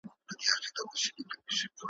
د ايمل بابا دغرونو `